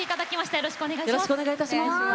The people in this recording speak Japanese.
よろしくお願いします。